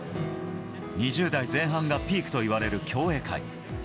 ２０代前半がピークといわれる競泳界。